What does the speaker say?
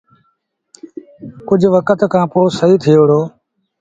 ڪجھ وکت کآݩ پو سهيٚ ٿئي وهُڙو۔